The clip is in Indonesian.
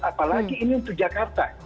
apalagi ini untuk jakarta